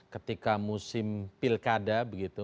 ketika musim pilkada begitu